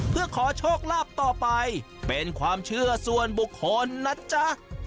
เพื่อขอโชคลาภต่อไปเป็นความเชื่อส่วนบุคคลนะจ๊ะ